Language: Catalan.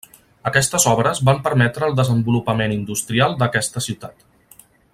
Aquestes obres van permetre el desenvolupament industrial d'aquesta ciutat.